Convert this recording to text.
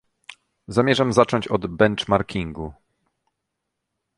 Zamierzam zacząć od benchmarkingu